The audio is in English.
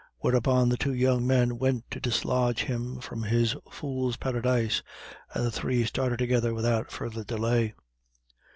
Whereupon the two young men went to dislodge him from his fool's paradise, and the three started together without further delay.